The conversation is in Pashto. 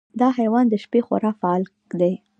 دا حیوان د شپې خورا فعال دی.